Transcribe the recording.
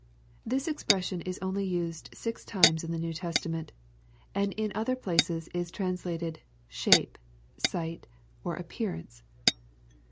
'] This expression is only used six times in the New Testament^ and in other places is translated " shape," " sight," or " appearance."